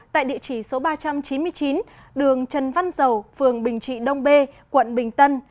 tại địa chỉ số ba trăm chín mươi chín đường trần văn dầu phường bình trị đông bê quận bình tân